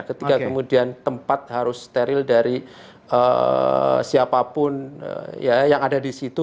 ketika kemudian tempat harus steril dari siapapun yang ada di situ